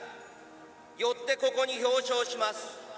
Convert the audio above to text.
よってここに表彰します。